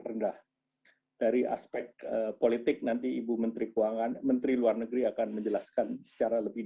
rendah dari aspek politik nanti ibu menteri keuangan menteri luar negeri akan menjelaskan secara lebih